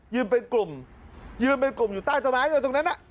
เป็นกลุ่มยืนเป็นกลุ่มอยู่ใต้ต้นไม้อยู่ตรงนั้น